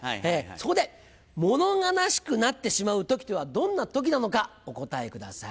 そこでもの悲しくなってしまう時とはどんな時なのかお答えください。